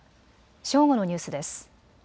正午のニュースです。